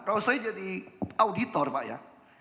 kalau saya jadi auditor pak ya